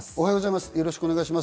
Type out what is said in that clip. おはようございます。